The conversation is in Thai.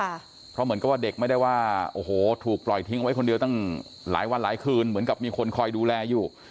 เพราะเหมือนกับว่าเด็กไม่ได้ว่าโอ้โหถูกปล่อยทิ้งไว้คนเดียวตั้งหลายวันหลายคืนเหมือนกับมีคนคอยดูแลอยู่